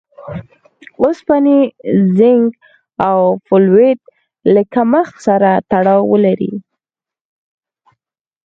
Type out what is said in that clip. اوسپنې، زېنک او فولېټ له کمښت سره تړاو لري.